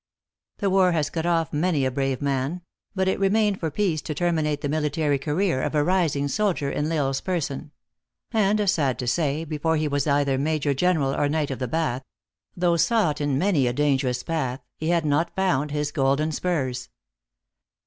The war has cut off many a brave man ; but it remained for peace to terminate the military career of a rising sol dier in L Isle s person ; and sad to say, before he was either Major general or knight of the Bath ; though sought in many a dangerous path, he had not found his golden spurs.